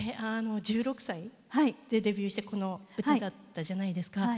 １６歳でデビューしてこの歌だったじゃないですか。